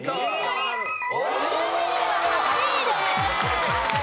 ブルーベリーは８位です。